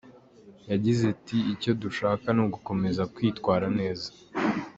Yagize ati “Icyo dushaka ni ugukomeza kwitwara neza.